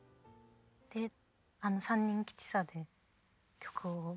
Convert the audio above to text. であの「三人吉三」で曲を。